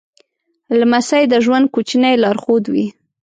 لمسی د ژوند کوچنی لارښود وي.